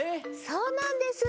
そうなんです。